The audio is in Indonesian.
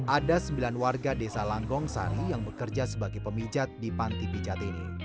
ada sembilan warga desa langgong sari yang bekerja sebagai pemijat di panti pijat ini